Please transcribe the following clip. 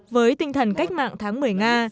với tinh thần cách mạng tháng một mươi nga